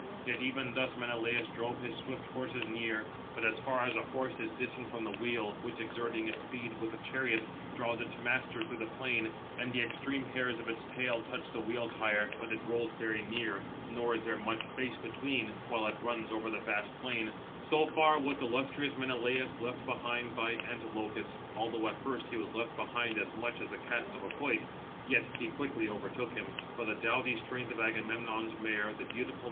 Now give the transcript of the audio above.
Yet even thus Menelaus drove his swift horses near; but as far as a horse is distant from the wheel, which, exerting its speed with the chariot, draws its master through the plain, and the extreme hairs of its tail touch the wheel tire, but it rolls very near, nor is there much space between, while it runs over the vast plain; so far was illustrious Menelaus left behind by Antilochus: although at first he was left behind as much as the cast of a quoit, yet he quickly overtook him; for the doughty strength of Agamemnon's mare, the beautiful maned Æthe, was increased.